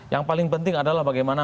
yang paling penting adalah bagaimana